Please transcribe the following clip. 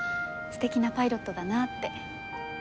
素敵なパイロットだなあって。